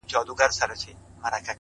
که څه کم و که بالابود و ستا په نوم و!!